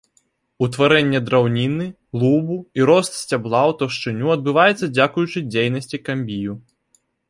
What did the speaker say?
Утварэнне драўніны, лубу і рост сцябла ў таўшчыню адбываецца дзякуючы дзейнасці камбію.